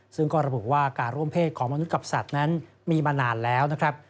ซึ่งก็ระบุว่าการร่วมเพศของมนุษย์กับสัตว์นั้นมีมานานแล้วนะครับ